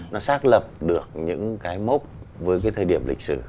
nó xác lập được những cái mốc với cái thời điểm lịch sử